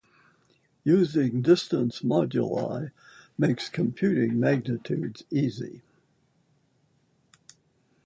Using distance moduli makes computing magnitudes easy.